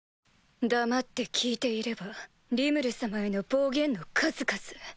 黙って聞いていればリムル様への暴言の数々。